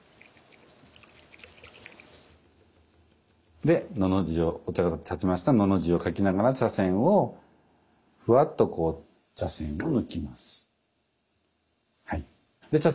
で「の」の字をお茶が点ちましたら「の」の字を書きながら茶筅をふわっとこう茶筅を抜きます。